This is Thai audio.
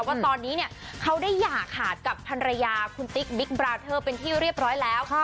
ว่าตอนนี้เนี่ยเขาได้หย่าขาดกับภรรยาคุณติ๊กบิ๊กบราเทอร์เป็นที่เรียบร้อยแล้ว